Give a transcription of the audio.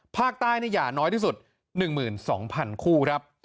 อย่าน้อยที่สุด๑๒๐๐๐คู่ครับ